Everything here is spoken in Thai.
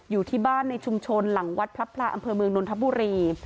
อยู่ที่บ้านในชุมชนหลังวัดพระพลาอำเภอเมืองนนทบุรี